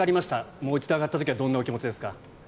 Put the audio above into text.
もう一度上がった時はどんなお気持ちですか？